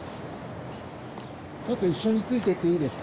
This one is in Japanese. ちょっと一緒についていっていいですか？